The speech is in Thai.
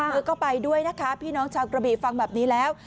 เธอก็ไปด้วยนะคะพี่น้องชาวกระบีฟังแบบนี้แล้ว